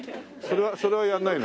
それはやらないの？